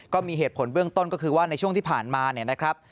ก็มีเหตุผลเบื้องต้นก็คือว่าในช่วงที่ผ่านมาเนี่ยนะครับ